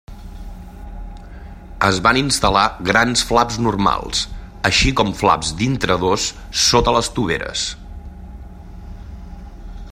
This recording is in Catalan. Es van instal·lar grans flaps normals, així com flaps d'intradós sota les toveres.